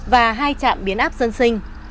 và hai trạm biến áp dân sinh